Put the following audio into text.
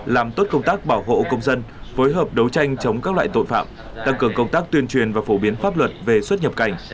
làm tốt công tác bảo hộ công dân phối hợp đấu tranh chống các loại tội phạm tăng cường công tác tuyên truyền và phổ biến pháp luật về xuất nhập cảnh